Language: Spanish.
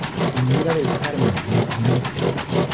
Señora del Carmen, los de Ntra.